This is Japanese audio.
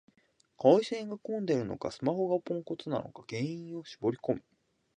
回線が混んでるのか、スマホがポンコツなのか原因を絞りこむ